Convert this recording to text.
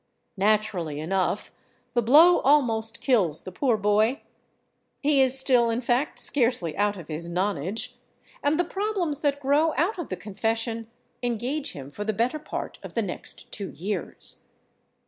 Naturally enough, the blow almost kills the poor boy—he is still, in fact, scarcely out of his nonage—and the problems that grow out of the confession engage him for the better part of the next two years.